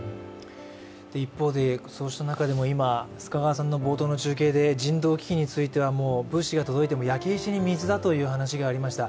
一方で、そうした中でも人道危機については物資が届いても焼け石に水だという話がありました。